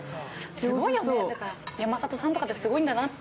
◆すごいよね、だから山里さんとかってすごいんだなって。